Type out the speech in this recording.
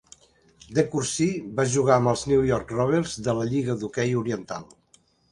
DeCourcy va jugar amb els New York Rovers de la Lliga d'Hoquei Oriental.